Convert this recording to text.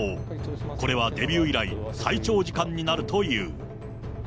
これはデビュー以来最長時間になるという。